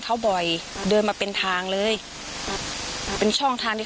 เพราะอาเองก็ดูข่าวน้องชมพู่